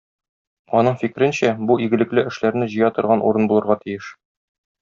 Аның фикеренчә, бу игелекле эшләрне җыя торган урын булырга тиеш.